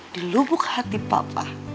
dilubuk hati papa